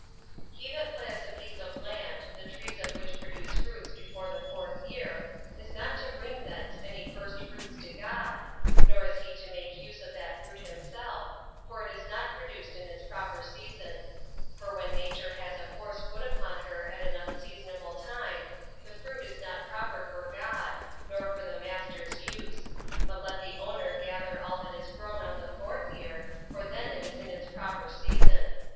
19. He that plants a piece of land, the trees of which produce fruits before the fourth year, is not to bring thence any first fruits to God, nor is he to make use of that fruit himself, for it is not produced in its proper season; for when nature has a force put upon her at an unseasonable time, the fruit is not proper for God, nor for the master's use; but let the owner gather all that is grown on the fourth year, for then it is in its proper season.